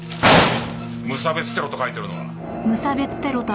無差別テロと書いてるのは。